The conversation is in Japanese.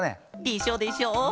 でしょ！でしょ！